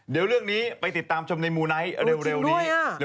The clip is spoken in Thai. เดี๋ยวเรื่องนี้ไปติดตามชมในมูไนท์